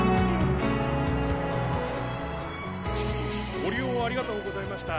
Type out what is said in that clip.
ご利用ありがとうございました。